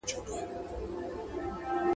• پر اسمان ستوری نه لري، پر مځکه غولی.